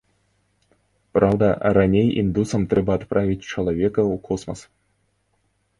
Праўда, раней індусам трэба адправіць чалавека ў космас.